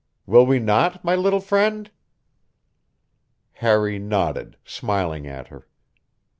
Will we not, my little friend?" Harry nodded, smiling at her.